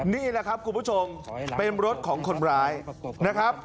นี่แหละครับคุณผู้ชมเป็นรถของคนร้ายนะครับ